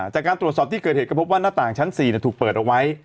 จากการตรวจสอบที่เกิดเหตุก็พบว่าหน้าต่างชั้น๔ถูกเปิดเอาไว้